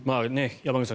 山口さん